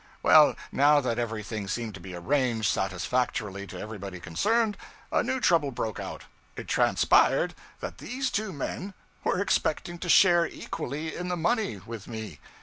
Well, now that everything seemed to be arranged satisfactorily to everybody concerned, a new trouble broke out: it transpired that these two men were expecting to share equally in the money with me.